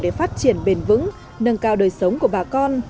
cái nào để phát triển bền vững nâng cao đời sống của bà con